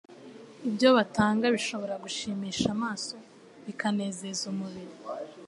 Ibyo batanga bishobora gushimisha amaso, bikanezeza umubiri,